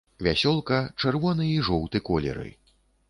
Вясёлка, чырвоны і жоўты колеры.